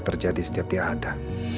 terjadi setiap dia ada